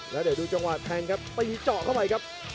แล้วเดี๋ยวดูจังหวะแทงครับตีเจาะเข้าไปครับ